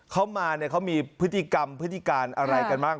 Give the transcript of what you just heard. เขามาเนี่ยเขามีพฤติกรรมพฤติการอะไรกันบ้าง